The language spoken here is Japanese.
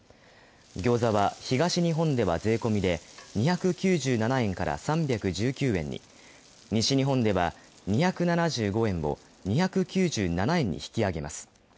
餃子は東日本では税込みで２９７円から３１９円に、西日本では２７５円を２９７円に引き上げます。